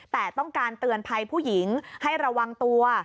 แต่ต้องการเตือนภัยผู้หญิงให้ระวังตัว